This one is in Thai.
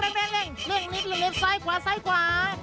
เร่งนิดซ้ายขวาซ้ายขวา